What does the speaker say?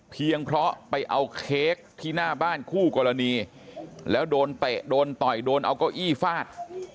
เพราะไปเอาเค้กที่หน้าบ้านคู่กรณีแล้วโดนเตะโดนต่อยโดนเอาเก้าอี้ฟาด